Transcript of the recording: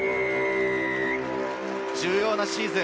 重要なシーズン。